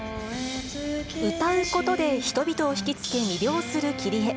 歌うことで人々を引きつけ、魅了するキリエ。